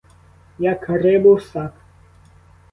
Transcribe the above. Як рибу в сак.